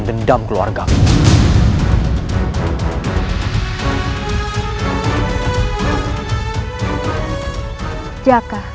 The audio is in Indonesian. dengan senang hati